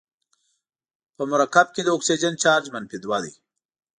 په مرکب کې د اکسیجن چارج منفي دوه دی.